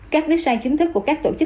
các website chính thức của các tổ chức